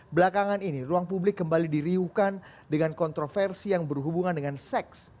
belakangan ini ruang publik kembali diriukan dengan kontroversi yang berhubungan dengan seks